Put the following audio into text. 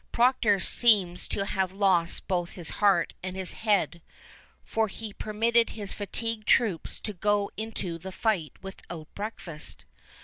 Procter seems to have lost both his heart and his head, for he permitted his fatigued troops to go into the fight without breakfast.